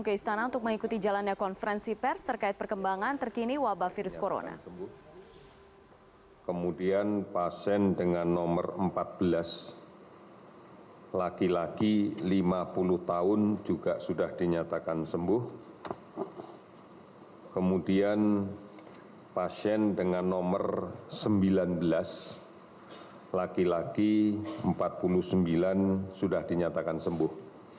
kemudian pasien dengan nomor sembilan belas laki laki empat puluh sembilan sudah dinyatakan sembuh